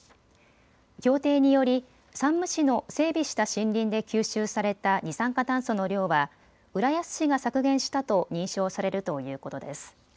協定により山武市の整備した森林で吸収された二酸化炭素の量は浦安市が削減したと認証されるということです。